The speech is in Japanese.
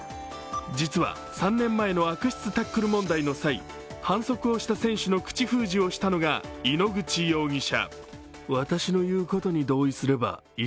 実は、３年前の悪質タックル問題の際、反則をした選手の口封じをしたのが井ノ口容疑者。